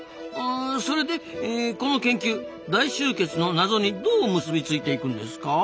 それでこの研究大集結の謎にどう結び付いていくんですか？